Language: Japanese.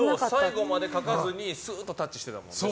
最後までかかずにスーッとタッチしてたもんね。